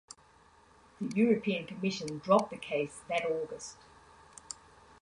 The European Commission dropped the case that August.